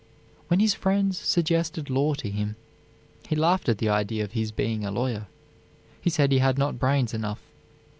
When his friends suggested law to him, he laughed at the idea of his being a lawyer. He said he had not brains enough.